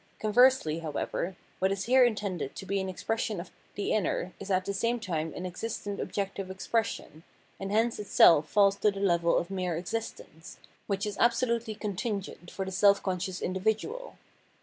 Conversely, however, wkat is here intended to be an expression of the inner is at the same time an existent objective expression, and hence itself falls to the level of mere existence, which is absolutely contingent for the self conscious individual.